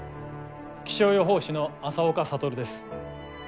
気象予報士の朝岡覚です。